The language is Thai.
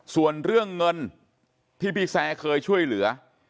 ส่วนเรื่องเงินที่พี่แซร์เคยช่วยเหลือ